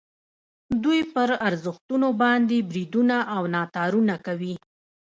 دوی پر ارزښتونو باندې بریدونه او ناتارونه کوي.